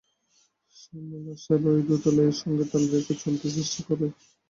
শর্মিলার সেবা এই দ্রুতলয়ের সঙ্গে তাল রেখে চলতে চেষ্টা করে।